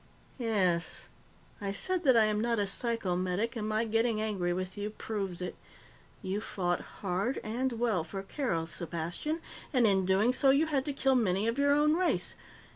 "Yes. I said that I am not a psychomedic, and my getting angry with you proves it. You fought hard and well for Keroth, Sepastian, and, in doing so, you had to kill many of your own race.